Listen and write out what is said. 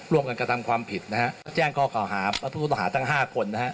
รวมกันกับทำความผิดแจ้งข้อข่าวหาผู้ต้องหา๕คน